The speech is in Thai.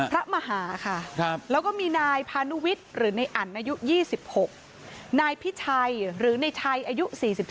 พระมหาค่ะแล้วก็มีนายพานุวิทย์หรือในอันอายุ๒๖นายพิชัยหรือในชัยอายุ๔๒